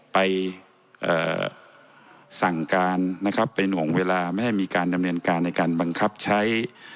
ไปสั่งการนะครับเป็นห่วงเวลาไม่ให้มีการดำเนินการในการบังคับใช้